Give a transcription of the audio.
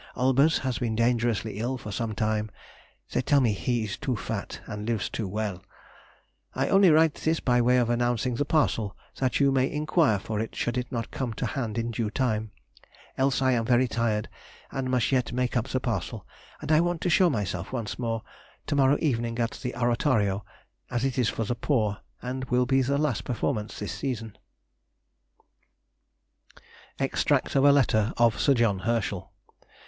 Olbers has been dangerously ill for some time; they tell me he is too fat, and lives too well. I only write this by way of announcing the parcel, that you may inquire for it should it not come to hand in due time, else I am very tired, and must yet make up the parcel, and I want to show myself once more to morrow evening at the Oratorio, as it is for the poor, and will be the last performance this season.... [Sidenote: 1832. Letter from Hanover.] EXTRACT FROM A LETTER OF SIR JOHN HERSCHEL.